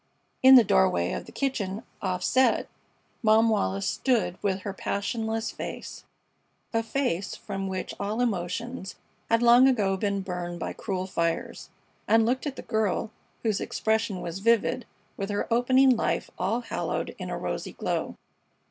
In the doorway of the kitchen offset Mom Wallis stood with her passionless face a face from which all emotions had long ago been burned by cruel fires and looked at the girl, whose expression was vivid with her opening life all haloed in a rosy glow.